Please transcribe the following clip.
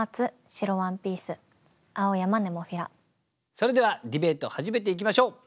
それではディベート始めていきましょう。